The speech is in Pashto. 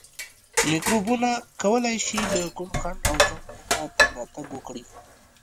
میکروبونه کولای شي له کوم خنډ او ځنډ پرته تګ راتګ وکړي.